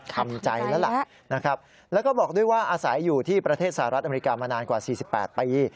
ทำใจแล้วล่ะนะครับแล้วก็บอกด้วยว่าอาศัยอยู่ที่ประเทศสหรัฐอเมริกามานานกว่า๔๘ปี